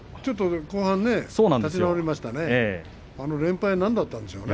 後半少し立ち直りましたね。